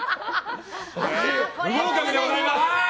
不合格でございます！